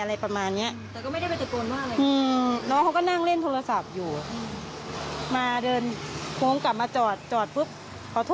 เขาปากเจ็บเยอะไปเหรอคะปากแตกค่ะ